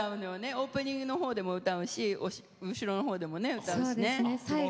オープニングの方でも歌うし後ろの方でも歌うしね。